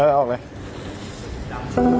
เออเอาออกเลย